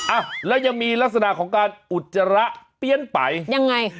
อ้าวแล้วยังมีลักษณะของการอุจจาระเปลี่ยนไปยังไง